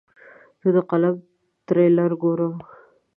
زه د فلم تریلر ګورم.